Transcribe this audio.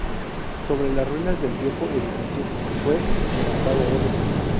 Sobre las ruinas del viejo edificio, fue levantado otro.